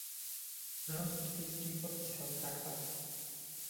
Rząd brytyjski podpisał traktat